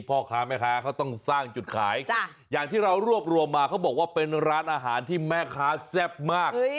พ่อค้าแม่ค้าเขาต้องสร้างจุดขายอย่างที่เรารวบรวมมาเขาบอกว่าเป็นร้านอาหารที่แม่ค้าแซ่บมาก